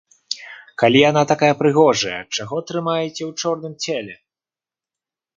Калі яна такая прыгожая, чаго трымаеце ў чорным целе?